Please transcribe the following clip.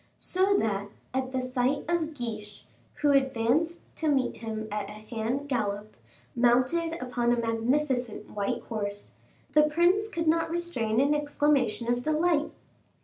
So that, at the sight of Guiche, who advanced to meet him at a hand gallop, mounted upon a magnificent white horse, the prince could not restrain an exclamation of delight.